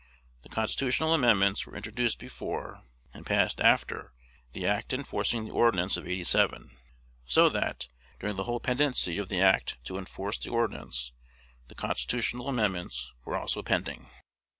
The constitutional amendments were introduced before, and passed after, the act enforcing the Ordinance of '87; so that, during the whole pendency of the act to enforce the Ordinance, the constitutional amendments were also pending.